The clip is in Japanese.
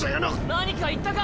何か言ったか？